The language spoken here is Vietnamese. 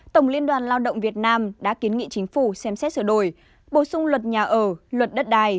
tổng liên đoàn lao động việt nam đã kiến nghị chính phủ xem xét sửa đổi bổ sung luật nhà ở luật đất đài